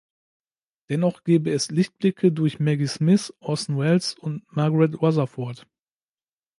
Dennoch gebe es „Lichtblicke durch Maggie Smith, Orson Welles und Margaret Rutherford“.